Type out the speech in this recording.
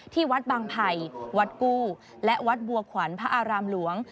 ที่วัดบางไผ่วัดกู้และวัดบัวขวัญพระอารามหลวง